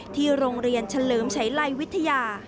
ที่โรงเรียนเฉลิมชัยไลวิทยา